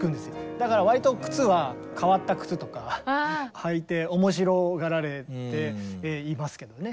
だからわりと靴は変わった靴とか履いて面白がられていますけどね。